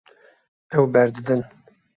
Ew berdidin.